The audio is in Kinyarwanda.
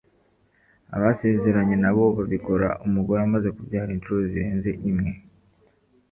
Abasezeranye nabo babikora umugore amaze kubyara inshuro zirenze imwe